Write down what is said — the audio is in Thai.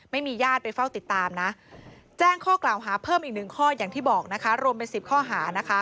ญาติไปเฝ้าติดตามนะแจ้งข้อกล่าวหาเพิ่มอีกหนึ่งข้ออย่างที่บอกนะคะรวมเป็น๑๐ข้อหานะคะ